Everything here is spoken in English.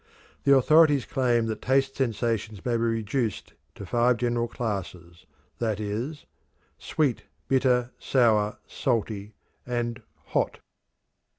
The authorities claim that taste sensations may be reduced to five general classes, viz.: sweet, bitter, sour, salty, and "hot."